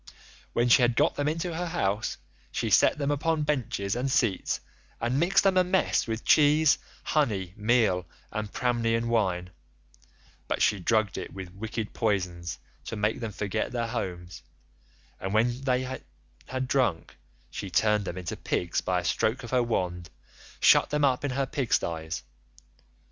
When she had got them into her house, she set them upon benches and seats and mixed them a mess with cheese, honey, meal, and Pramnian wine, but she drugged it with wicked poisons to make them forget their homes, and when they had drunk she turned them into pigs by a stroke of her wand, and shut them up in her pig styes.